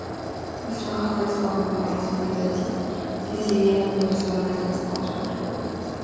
Los trabajadores abandonaron sus diferencias y decidieron unirse en una alianza contra los rebeldes.